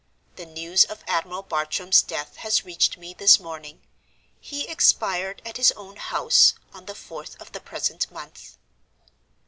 The news of Admiral Bartram's death has reached me this morning. He expired at his own house, on the fourth of the present month.